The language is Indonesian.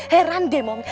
heran deh mami